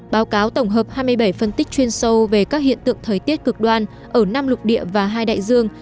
báo cáo tổng hợp hai mươi bảy phân tích chuyên sâu về các hiện tượng thời tiết cực đoan ở năm lục địa và hai đại dương